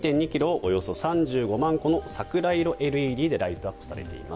およそ３５万個の桜色ＬＥＤでライトアップされています。